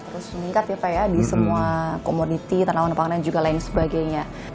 terus meningkat ya pak ya di semua komoditi tanaman pangan dan juga lain sebagainya